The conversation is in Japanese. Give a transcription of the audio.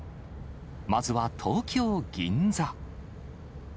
まずは東京・銀座。